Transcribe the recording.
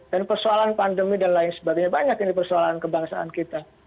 dan persoalan pandemi dan lain sebagainya banyak ini persoalan kebangsaan kita